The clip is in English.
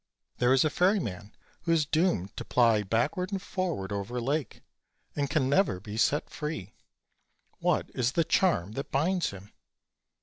There is a ferryman who is doomed OLD, OLD FAIRY TALES. 69 to ply backward and forward over a lake, and can never be set free; what is the charm that binds him?"